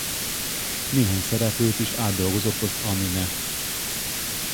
Néhány szereplőt is átdolgozott az anime.